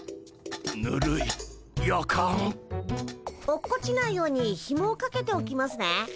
落っこちないようにひもをかけておきますね。